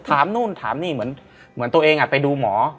ถามนู่นถามนี่เหมือนตัวเองไปดูหมอ